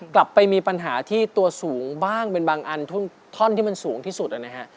กลับไปมีปัญหาที่ตัวสูงบ้างเป็นบางอันท่อนที่มันสูงที่สุดนะฮะ